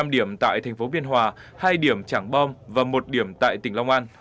năm điểm tại thành phố biên hòa hai điểm trảng bom và một điểm tại tỉnh long an